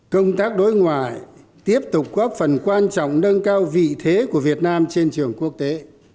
công tác đối ngoại tiếp tục góp phần quan trọng nâng cao vị thế của việt nam trên trường quốc tế